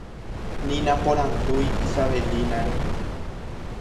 ni naporandúi Isabelinare